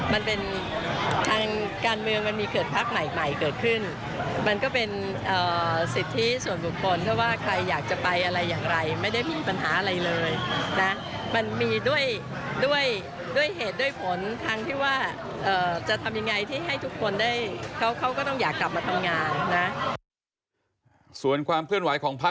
มันค่อนข้างที่ว่าจะทำยังไงที่ให้ทุกคนได้เขาก็ต้องอยากกลับมาทำงานนะ